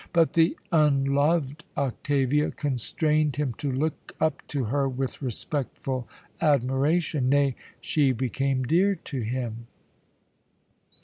But the unloved Octavia constrained him to look up to her with respectful admiration nay, she became dear to him.